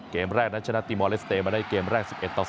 เกมแรกนั้นชนะตีมอลเลสเตย์มาได้เกมแรก๑๑ต่อ๒